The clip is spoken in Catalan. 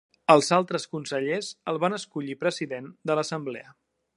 Els altres consellers el va escollir president de l'assemblea.